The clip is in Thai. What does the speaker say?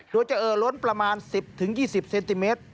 โดยจะเอ่อล้นประมาณ๑๐๒๐เซนติเมตร